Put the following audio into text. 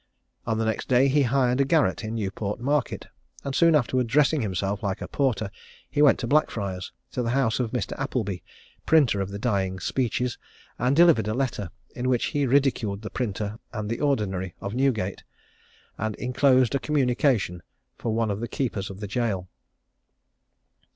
On the next day he hired a garret in Newport Market, and soon afterwards, dressing himself like a porter, he went to Blackfriars, to the house of Mr. Applebee, printer of the dying speeches, and delivered a letter, in which he ridiculed the printer and the Ordinary of Newgate, and inclosed a communication for one of the keepers of the gaol.